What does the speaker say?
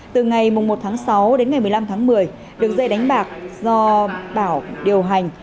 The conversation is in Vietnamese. từ ngày một tháng sáu đến ngày một mươi năm tháng một mươi đường dây đánh bạc do bảo điều hành